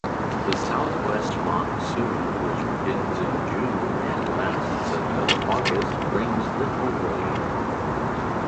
The South-west monsoon, which begins in June and lasts until August, brings little rain.